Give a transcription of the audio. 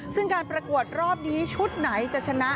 ซึ่งการประกวดรอบนี้ชุดไหนจะชนะ